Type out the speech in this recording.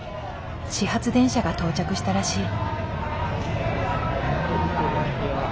始発電車が到着したらしい。